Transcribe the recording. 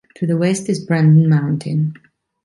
To the west is Brandon Mountain.